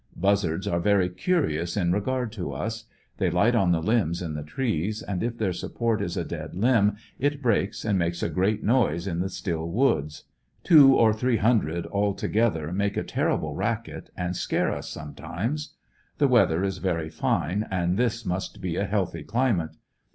Buzzards are very curious in regard to us. They light on the limbs in the trees, and if their support is a dead limb it breaks and makes a great noise in the still woods. Two or three hundred all together make a terrible racket, and scare us sometimes. The weather is very fine, and this must be a healthy climate.